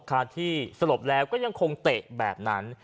ที่สลบแล้วก็ยังคงเตะแบบนั้น